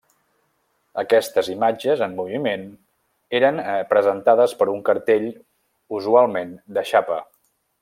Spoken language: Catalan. Aquestes imatges en moviment eren presentades per un cartell usualment de xapa.